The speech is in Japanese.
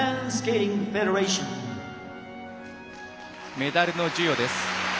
メダルの授与です。